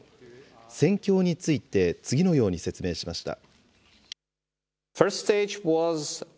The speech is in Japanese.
戦況について次のように説明しました。